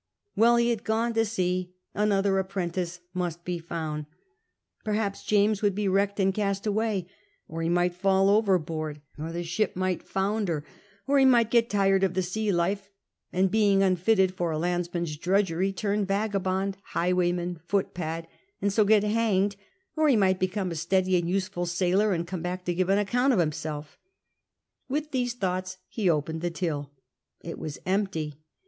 Well, be hail gone to sea ; anoth(jr apprentice must be found ; perhaps James wouhl be wrecked and cast away, or he might fall overboard, or the ship might founder, or he might get tired of the sea life, and, being unfitted for a landsman's dnidgery, turn vagabond, highwayman, footpad, and so get hanged ; or he might become a steady and useful sailor, and come back to give an account of himself. With these thoughts he opened the till. It w'as empty.